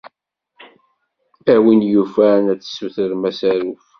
A win yufan ad tessutrem asaruf.